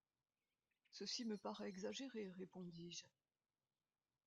Ceci me paraît exagéré, répondis-je.